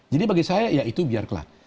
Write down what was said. jadi bagi saya ya itu biar kelah